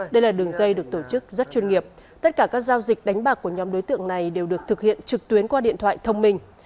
đây là đường dây được tổ chức rất chuyên nghiệp tất cả các giao dịch đánh bạc của nhóm đối tượng này đều được thực hiện trực tuyến qua điện thoại thông minh